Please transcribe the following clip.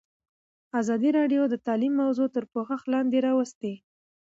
ازادي راډیو د تعلیم موضوع تر پوښښ لاندې راوستې.